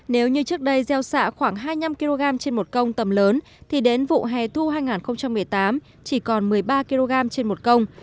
nếu như trước đây gieo xạ khoảng hai mươi năm kg trên một công tầm lớn thì đến vụ hè thu hai nghìn một mươi tám chỉ còn một mươi ba kg trên một công